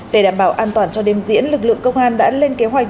để đảm bảo an toàn cho đêm diễn lực lượng công an đã lên kế hoạch